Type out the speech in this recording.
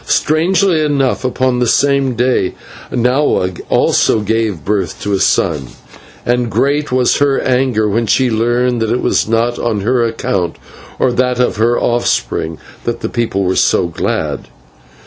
Strangely enough, upon the same day Nahua also gave birth to a son, and great was her anger when she learned that it was not on her account or on that of her offspring that the people were so glad.